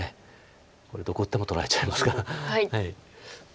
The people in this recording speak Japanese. これどこ打っても取られちゃいますから。